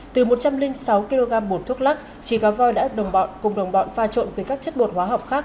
từ một trăm linh sáu kg bột thuốc lắc trì cá voi đã cùng đồng bọn pha trộn với các chất bột hóa học khác